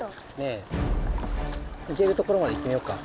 行けるところまで行ってみよっか。